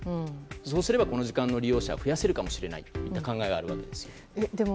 そうすればこの時間の利用者を増やせるかもしれないという考えがあるといことです。